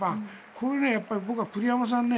これ、僕は栗山さん